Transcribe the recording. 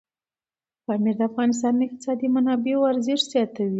پامیر د افغانستان د اقتصادي منابعو ارزښت زیاتوي.